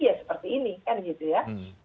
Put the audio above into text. ya seperti ini kan gitu ya